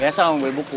ya sama ambil buku